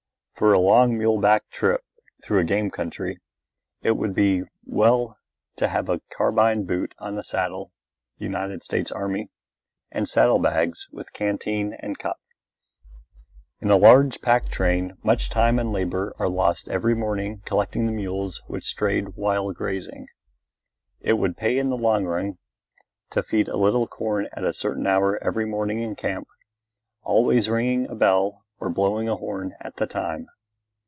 For a long mule back trip through a game country, it would be well to have a carbine boot on the saddle (United States Army) and saddle bags with canteen and cup. In a large pack train much time and labor are lost every morning collecting the mules which strayed while grazing. It would pay in the long run to feed a little corn at a certain hour every morning in camp, always ringing a bell or blowing a horn at the time.